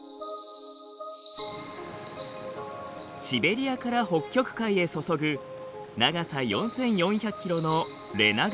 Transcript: シベリアから北極海へ注ぐ長さ４，４００キロのレナ川。